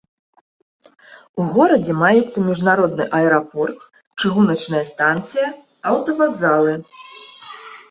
У горадзе маюцца міжнародны аэрапорт, чыгуначная станцыя, аўтавакзалы.